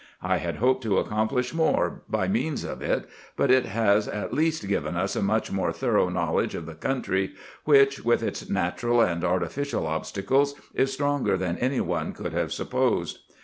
I had hoped to accomplish more by means of it, but it has at least given us a much more thorough knowledge of the country, which, with its natural and artificial obstacles, is stronger than any one could have supposed.